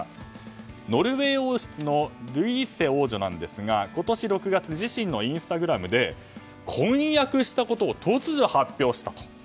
ノルウェー王室のルイーセ王女なんですが今年６月自身のインスタグラムで婚約したことを突如発表したと。